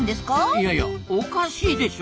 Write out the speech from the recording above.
いやいやおかしいでしょ。